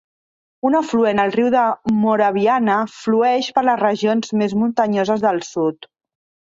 Un afluent, el riu de Moraviana flueix per les regions més muntanyoses del sud.